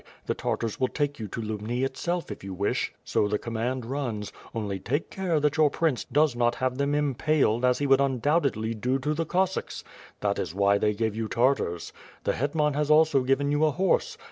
The Tartars will take you to Lubni itself if you wish, so the command runs, only take care that your prince does not have them impaled as he would undoubtedly do to the Cossacks! That is why they gave you Tartars. The Hetman has also given you a horse.